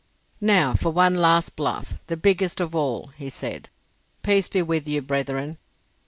"Now for one last bluff—the biggest of all," he said. "Peace be with you, brethren!"